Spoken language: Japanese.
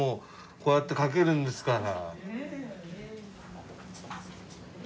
こうやって書けるんですから。